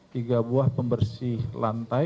tiga buah pembersih lantai